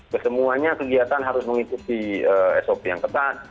kesemuanya kegiatan harus mengikuti sop yang ketat